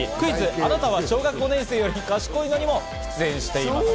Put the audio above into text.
あなたは小学５年生より賢いの？』にも出演しています。